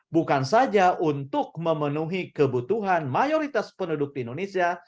bukan saja untuk memenuhi kebutuhan mayoritas penduduk di indonesia